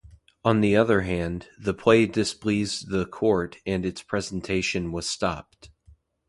On the other hand, the play displeased the court, and its presentation was stopped.